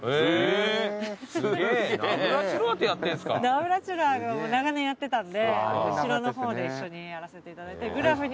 ナブラチロワが長年やってたんで後ろの方で一緒にやらせていただいて。